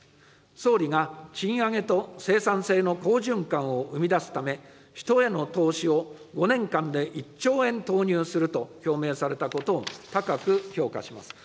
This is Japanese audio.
総理が、賃上げと生産性の好循環を生み出すため、人への投資を５年間で１兆円投入すると表明されたことを高く評価します。